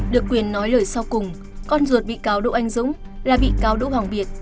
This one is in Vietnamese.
được quyền nói lời sau cùng con ruột bị cáo đỗ anh dũng là bị cáo đỗ hoàng việt